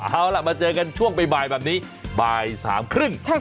เอาล่ะมาเจอกันช่วงบ๊ายบายแบบนี้บายสามครึ่งใช่ค่ะ